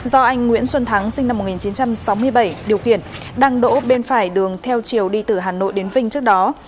do anh nguyễn xuân thắng sinh năm một nghìn chín trăm sáu mươi bảy điều khiển đang đỗ bên phải đường theo chiều đi từ hà nội đến vinh trước đó